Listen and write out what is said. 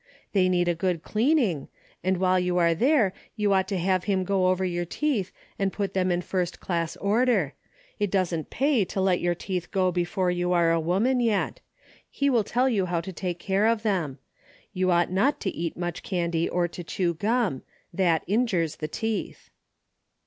They need a good cleaning, and while you are there you ought to have him go over your teeth and put them in first class order. It doesn't pay to let your teeth go before you are a woman yet. He will tell you how to take care of them. You ought not to eat much candy or to chew gum. That injures the teeth."